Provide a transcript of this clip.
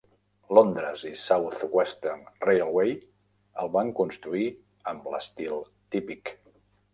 Londres i South Western Railway el van construir amb l'estil típic.